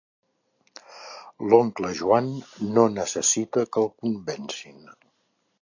L'oncle Joan no necessita que el convencin.